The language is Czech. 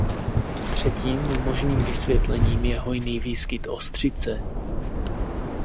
Třetím možným vysvětlením je hojný výskyt ostřice.